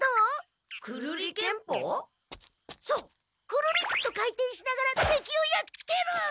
クルリっとかいてんしながらてきをやっつける！